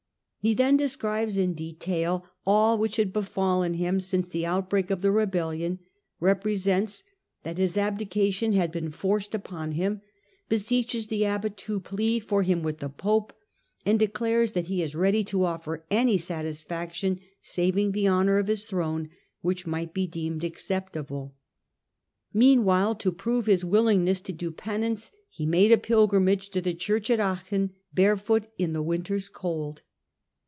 He then describes in detail all which had befallen him since the outbreak of the rebellion, represents that his Digitized by VjOOQIC The Last Years of Henry IV, 183 abdication had been forced from him, beseeches the abbot to plead for him with the pope, and declares that he is ready to offer any satisfaction, saving the honour of his throne, which might be deemed acceptable. Meanwhile to prove his willingness to do penance he made a pilgrimage to the church at Aachen barefoot in the winter's cold.